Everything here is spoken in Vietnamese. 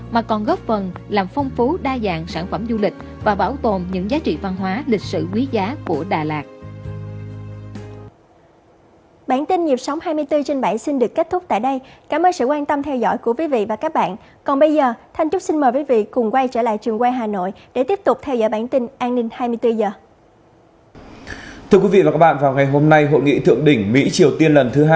mà còn góp phần làm phong phú đa dạng sản phẩm du lịch và bảo tồn những giá trị văn hóa lịch sử quý giá của đà lạt